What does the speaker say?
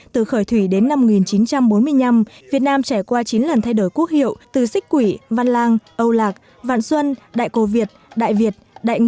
từ khởi thủy đến năm một nghìn chín trăm bốn mươi năm việt nam trải qua chín lần thay đổi quốc hiệu từ sích quỷ văn lang âu lạc vạn xuân đại cổ việt đại việt đại ngu đến việt nam rồi đại nam